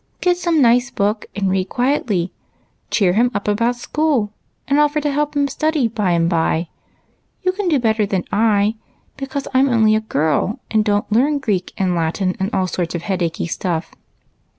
Get some nice book and read quietly ; cheer him up about school, and offer to help him study by and by ; you can do that better than I, because I'm only a girl, 138 EIGHT COUSINS. and don't learn Greek and Latin and all sorts of headachy stuff."